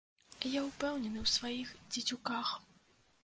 Я ўпэўнены ў сваіх дзецюках.